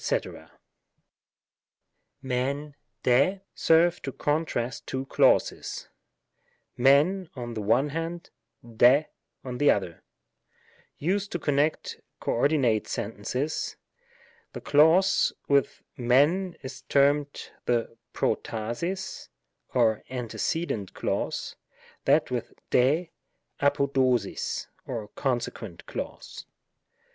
fisv — 8a serve to contrast two clauses; /llsv^ " on the one hand ;" 8s^ on the other ; used to connect coordi nate sentences. The clause with fisvy is termed the Protasis, or antecedent clause ; that with 8s y the Apo dosis, or consequent clause.